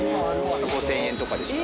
５，０００円とかでした。